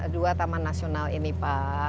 dua taman nasional ini pak